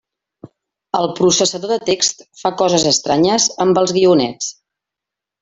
El processador de text fa coses estranyes amb els guionets.